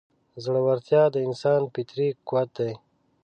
زړهورتیا د انسان فطري قوت دی.